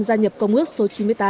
gia nhập công ước số chín mươi tám